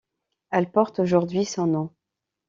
Elle porte aujourd'hui son nom.